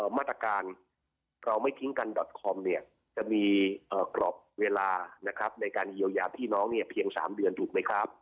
มาตรการเราไม่ทิ้งกันดอตคอมเนี่ยจะมีกรอบเวลานะครับในการเยียวยาพี่น้องเนี่ยเพียง๓เดือนถูกไหมครับ